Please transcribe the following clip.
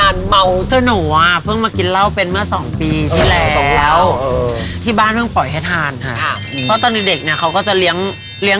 แล้วจริงป่ะเคยเที่ยวบาร์โฮสทอมเนี่ย